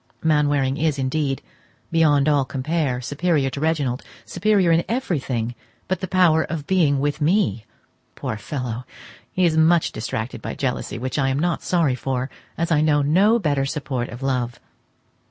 Mainwaring is indeed, beyond all compare, superior to Reginald—superior in everything but the power of being with me! Poor fellow! he is much distracted by jealousy, which I am not sorry for, as I know no better support of love.